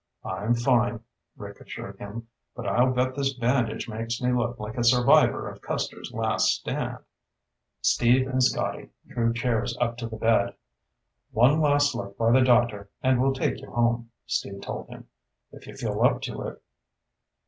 "I'm fine," Rick assured him. "But I'll bet this bandage makes me look like a survivor of Custer's Last Stand." Steve and Scotty drew chairs up to the bed. "One last look by the doctor and we'll take you home," Steve told him. "If you feel up to it."